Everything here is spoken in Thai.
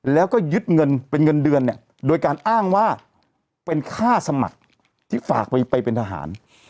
แล้วก็ยึดเงินเป็นเงินเดือนเนี่ยโดยการอ้างว่าเป็นค่าสมัครที่ฝากไปเป็นทหาร